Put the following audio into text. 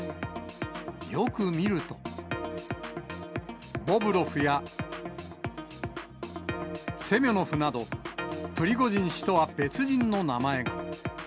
よく見ると、ボブロフやセミョノフなど、プリゴジン氏とは別人の名前が。